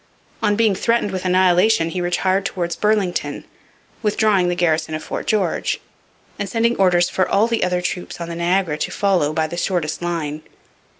On being threatened with annihilation he retired towards Burlington, withdrawing the garrison of Fort George, and sending orders for all the other troops on the Niagara to follow by the shortest line.